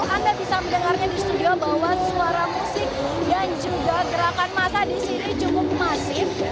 anda bisa mendengarnya di studio bahwa suara musik dan juga gerakan masa di sini cukup masif